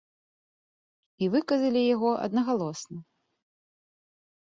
І выказалі яго аднагалосна.